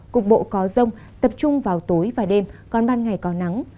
cục bộ có rông tập trung vào tối và đêm còn ban ngày có nắng